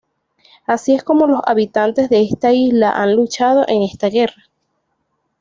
Así es como los habitantes de esta isla han luchado en esta guerra.